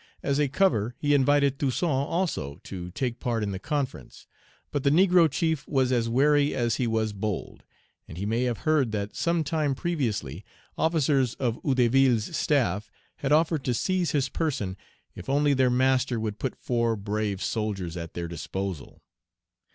As a cover, he invited Toussaint also to take part in the conference. But the negro chief was as wary as he was bold; and he may have heard that some time previously officers of Hédouville's staff had offered to seize his person if only their master would put four brave soldiers at their disposal.